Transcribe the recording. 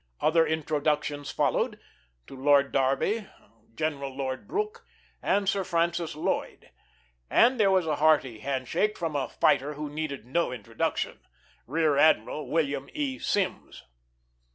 Other introductions followed to Lord Derby, General Lord Brooke, and Sir Francis Lloyd. And there was a hearty handshake from a fighter who needed no introduction Rear Admiral William E. Sims.